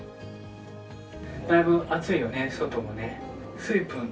だいぶ暑いよね、外もね。